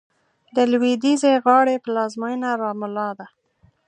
د لوېدیځې غاړې پلازمېنه رام الله ده.